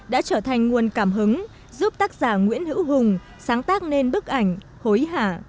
đã trở thành nguồn cảm hứng giúp tác giả nguyễn hữu hùng sáng tác nên bức ảnh hối hả